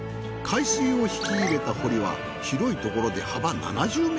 海水を引き入れた堀は広いところで幅７０ｍ。